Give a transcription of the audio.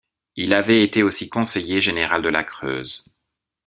Il avait été aussi conseiller général de la Creuse.